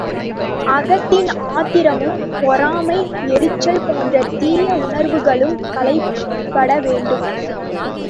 அகத்தின் ஆத்திரமும், பொறாமை, எரிச்சல் போன்ற தீய உணர்வுகளும் களையப்பட வேண்டும்.